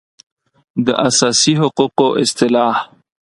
د اساسي حقوقو اصطلاح